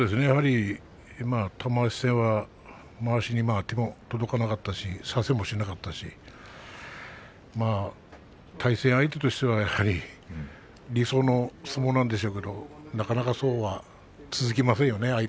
やはり玉鷲戦はまわしに手が届かなかったし差せもしなかったし対戦相手としてはやはり理想の相撲なんでしょうけれどもなかなかそうは続きませんよね